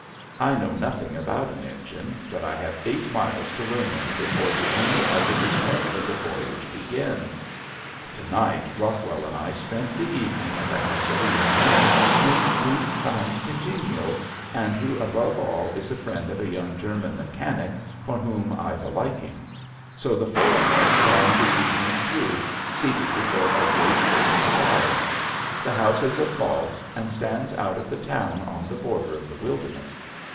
I know nothing about an engine but I have eight miles to learn in before the only hazardous part of the voyage begins. To night Rockwell and I spent the evening at the house of a young man whom we've found congenial and who above all is a friend of a young German mechanic for whom I've a liking. So the four of us sang the evening through, seated before a great open fire. The house is of logs and stands out of the town on the border of the wilderness.